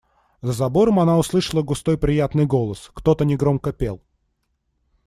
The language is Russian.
За забором она услышала густой приятный голос: кто-то негромко пел.